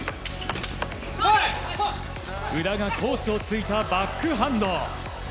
宇田がコースをついたバックハンド。